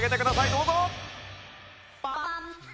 どうぞ！